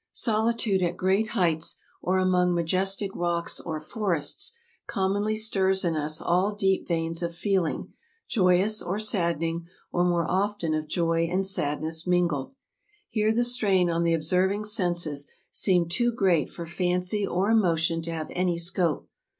Solitude at great heights, or among majestic rocks or forests, commonly stirs in us all deep veins of feeling, joyous or saddening, or more often of joy and sadness mingled. Here the strain on the observ ing senses seemed too great for fancy or emotion to have any scope.